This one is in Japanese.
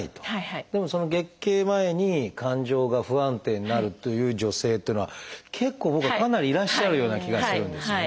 でも月経前に感情が不安定になるという女性っていうのは結構僕はかなりいらっしゃるような気がするんですよね。